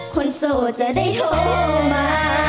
โสดจะได้โทรมา